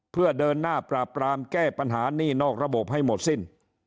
เพื่อเดินหน้าปราบปรามแก้ปัญหานี่นอกระบบให้หมดสิ้น